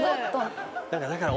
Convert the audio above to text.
だから